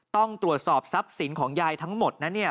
ต้องตรวจสอบทรัพย์สินของยายทั้งหมดนะเนี่ย